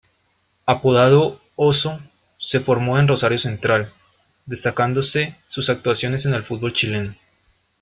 Apodado "Oso", se formó en Rosario Central, destacándose sus actuaciones en el fútbol chileno.